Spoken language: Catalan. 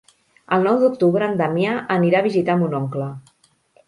El nou d'octubre en Damià anirà a visitar mon oncle.